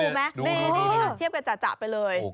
ดูนะครับเทียบกับจาไปเลย